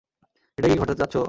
এটাই কি ঘটাতে চাচ্ছ?